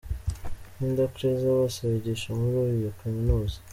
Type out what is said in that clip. Linda Kreitzer bose bigisha muri iyo Kaminuza.